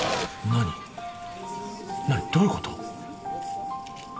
何どういうこと？